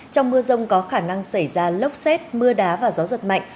trong mưa rông có khả năng xảy ra lốc xét mưa đá và gió giật mạnh